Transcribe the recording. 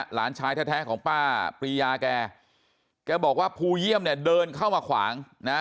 หลานชายแท้ของป้าปรียาแกแกบอกว่าภูเยี่ยมเนี่ยเดินเข้ามาขวางนะ